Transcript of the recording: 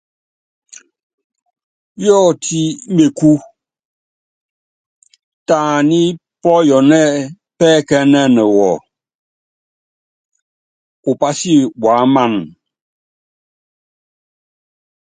Yiɔtí mekú, tɛ ani pɔyɔnɛ́ɛ́ pɛ́kɛ́ɛ́nɛn wɔ upási wuáman.